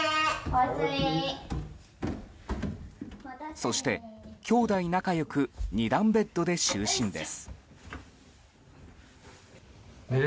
そして、姉妹仲良く２段ベッドで就寝です。